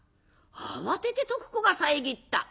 慌てて徳子が遮った。